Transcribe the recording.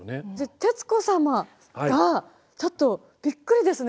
徹子様がちょっとびっくりですね。